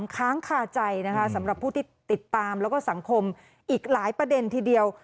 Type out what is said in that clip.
ค้างคาใจนะคะสำหรับผู้ที่ติดตามแล้วก็สังคมอีกหลายประเด็นทีเดียว